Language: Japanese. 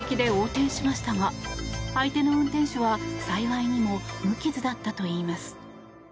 右から飛び出してきた車は衝撃で横転しましたが相手の運転手は幸いにも無傷だったといいます。